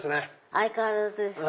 相変わらずですか。